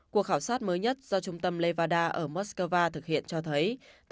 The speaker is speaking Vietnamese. cuộc khảo sát mới nhất do trung tâm nevada ở moscow thực hiện cho thấy